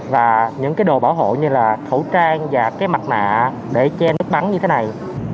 và những cái đồ bảo hộ như là khẩu trang và cái mặt nạ để che nước bắn như thế này